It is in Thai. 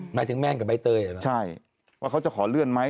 หมายถึงแม่งกับใบเตยหรือเปล่าใช่ว่าเขาจะขอเลื่อนไหม